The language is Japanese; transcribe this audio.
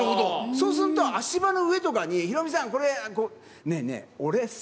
そうすると、足場の上とかにヒロミさん、これ。